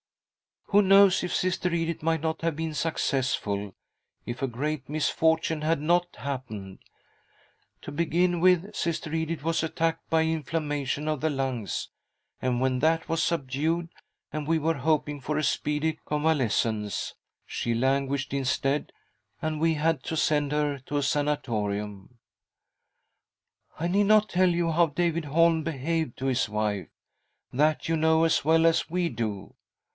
" Who knows if Sister Edith might not have been successful, if a great misfortune had not happened ? To begin with, Sister Edith was attacked by inflammation of the lungs, and when that was subdued, and we were hoping for a speedy con valescence, she languished instead, and we had to send her to a sanatorium. " I need not tell you how David Holm behaved to his wife — that you know as well as we do.